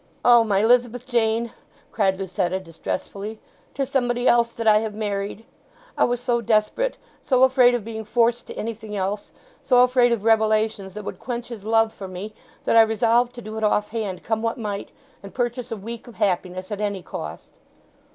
"O, my Elizabeth Jane!" cried Lucetta distressfully. "'Tis somebody else that I have married! I was so desperate—so afraid of being forced to anything else—so afraid of revelations that would quench his love for me, that I resolved to do it offhand, come what might, and purchase a week of happiness at any cost!"